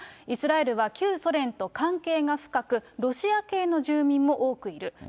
イスラエルは旧ソ連と関係が深く、ロシア系の住民も多くいる。